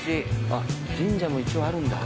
あっ神社も一応あるんだ。